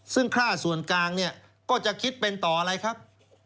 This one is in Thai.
ซึ่งค่าส่วนกลางเนี่ยก็จะคิดเป็นต่ออะไรครับ